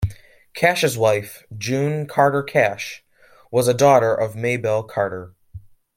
Cash's wife, June Carter Cash, was a daughter of Maybelle Carter.